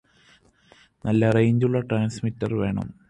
നല്ല റേഞ്ചുള്ള ട്രാന്സ്മിറ്റിര് വേണം